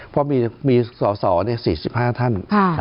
เพราะมีสอสอ๔๕ท่าน